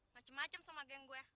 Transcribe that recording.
macem macem sama geng gue